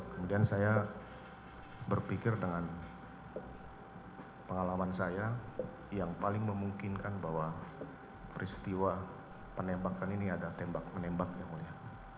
kemudian saya berpikir dengan pengalaman saya yang paling memungkinkan bahwa peristiwa penembakan ini ada tembak menembak yang mulia